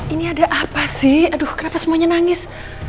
ini ada apa sih aduh kenapa semuanya nangis